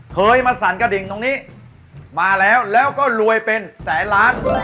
เคยมาสั่นกระดิ่งตรงนี้มาแล้วแล้วก็รวยเป็นแสนล้าน